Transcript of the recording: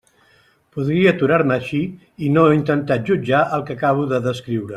Podria aturar-me ací i no intentar jutjar el que acabo de descriure.